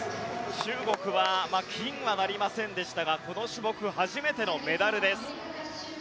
中国は金はなりませんでしたがこの種目初めてのメダルです。